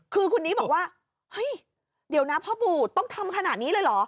คือคนนี้บอกว่าเฮ้ยเดี๋ยวนะพ่อปู่ต้องทำขนาดนี้เลยเหรอ